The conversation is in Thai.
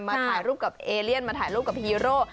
ถ่ายรูปกับเอเลียนมาถ่ายรูปกับฮีโร่